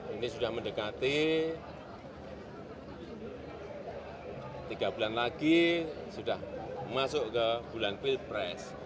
ini sudah mendekati tiga bulan lagi sudah masuk ke bulan pilpres